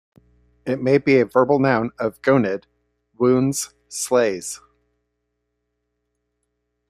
It may be a verbal noun of "gonid" 'wounds, slays'.